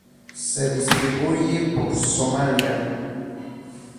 Se distribuye por Somalia.